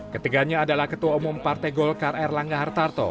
ketiganya adalah ketua umum partai golkar r langga hartarto